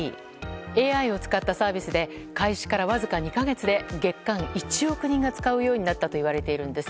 ＡＩを使ったサービスで開始から、わずか２か月で月間１億人が使うようになったといわれているんです。